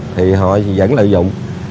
thì họ vẫn lợi dụng